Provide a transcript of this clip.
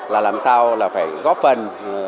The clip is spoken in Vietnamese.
là làm sao phải góp phần